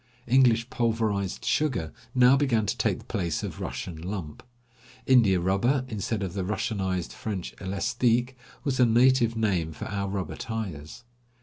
English pulverized sugar now began to take the place of Russian lump. India rubber, instead of the Russianized French elastique, was the native name for our rubber tires.